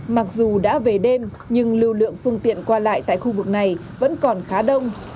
mặc dù đã về đêm nhưng lưu lượng phương tiện qua lại tại khu vực này vẫn còn khá đông